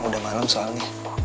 udah malem soalnya